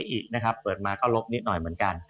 ดูว่าผลตัวเล็กนี้เปิดมาก็ลบได้นิดหน่อยเหมือนกัน